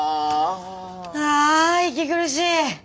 あ息苦しい。